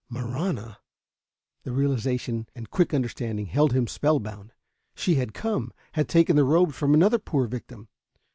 Marahna! The realization and quick understanding held him spellbound. She had come, had taken the robes from another poor victim